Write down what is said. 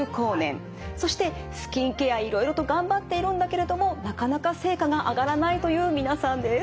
そしてスキンケアいろいろと頑張っているんだけれどもなかなか成果が上がらないという皆さんです。